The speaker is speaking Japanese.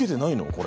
これ。